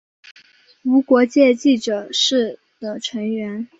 无国界记者是的成员。